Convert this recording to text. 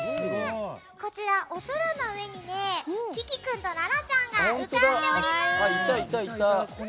こちら、お空の上にキキ君とララちゃんが浮かんでおります！